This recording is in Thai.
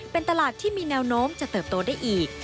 เป็นตลาดที่มีแนวโน้มจะเติบโตได้อีก